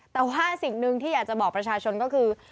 แต่ว่าสิ่งหนึ่งที่อยากจะบอกประชาชนก็คือ